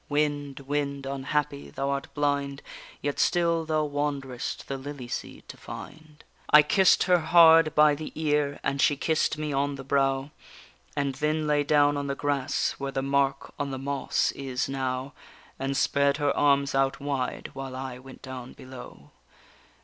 Wind, wind, unhappy! thou art blind, Yet still thou wanderest the lily seed to find._ I kiss'd her hard by the ear, and she kiss'd me on the brow, And then lay down on the grass, where the mark on the moss is now, And spread her arms out wide while I went down below.